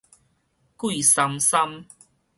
貴參參